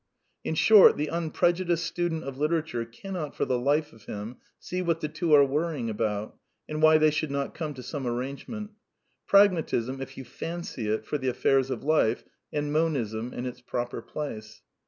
In short, the unprejudiced student of literature cannot for the life of him see what the two are worrying about, and why they should not come to some arrangement. Pragma tism, if you fancy it, for the affairs of life, and Monism in its proper place.